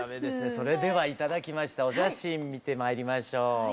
それでは頂きましたお写真見てまいりましょう。